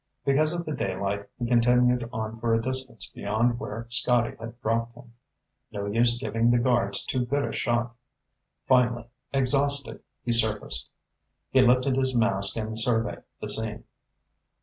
Because of the daylight, he continued on for a distance beyond where Scotty had dropped him. No use giving the guards too good a shot. Finally, exhausted, he surfaced. He lifted his mask and surveyed the scene.